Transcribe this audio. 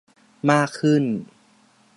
มากขึ้น